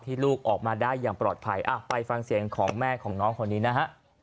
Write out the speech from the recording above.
ลูกออกมาได้อย่างปลอดภัยไปฟังเสียงของแม่ของน้องคนนี้นะฮะ